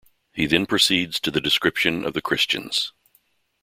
He then proceeds to the description of the Christians.